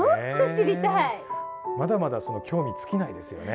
まだまだ興味尽きないですよね。